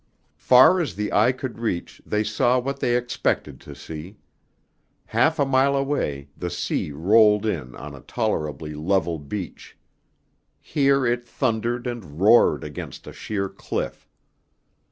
Far as the eye could reach they saw what they expected to see. Half a mile away the sea rolled in on a tolerably level beach; here it thundered and roared against a sheer cliff.